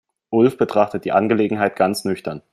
Ulf betrachtet die Angelegenheit ganz nüchtern.